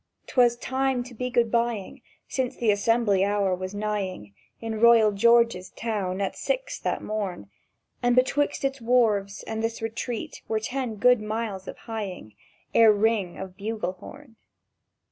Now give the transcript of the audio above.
'Twas time to be Good bying, Since the assembly hour was nighing In royal George's town at six that morn; And betwixt its wharves and this retreat were ten good miles of hieing Ere ring of bugle horn.